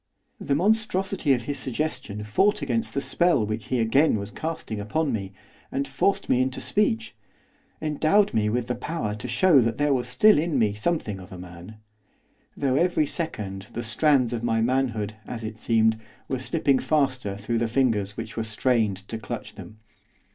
The monstrosity of his suggestion fought against the spell which he again was casting upon me, and forced me into speech, endowed me with the power to show that there still was in me something of a man; though every second the strands of my manhood, as it seemed, were slipping faster through the fingers which were strained to clutch them.